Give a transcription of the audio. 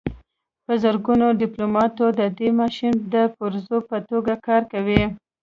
په زرګونو ډیپلوماتان د دې ماشین د پرزو په توګه کار کوي